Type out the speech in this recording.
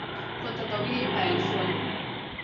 خو تداوې يې پیل شول.